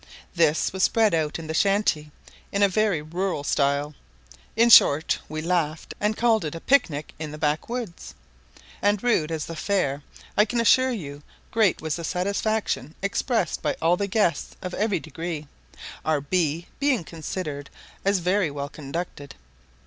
This was spread out in the shanty, in a very rural style. In short, we laughed, and called it a pic nic in the backwoods; and rude as was the fare, I can assure you, great was the satisfaction expressed by all the guests of every degree, our "bee" being considered as very well conducted.